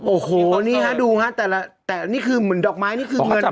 โอ้โหนี่ฮะดูฮะแต่ละแต่นี่คือเหมือนดอกไม้นี่คือเงิน